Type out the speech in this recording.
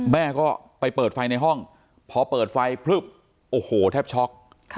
แม่ก็ไปเปิดไฟในห้องพอเปิดไฟพลึบโอ้โหแทบช็อก